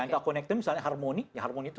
gak connect misalnya harmoni ya harmoni itu